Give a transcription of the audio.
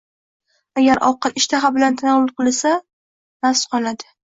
Agar ovqat ishtaha bilan tanovul qilinsa, nafsi qonadi.